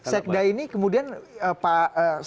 sekda ini kemudian pak sekda ini